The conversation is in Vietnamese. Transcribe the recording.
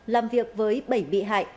làm việc với bảy bị hại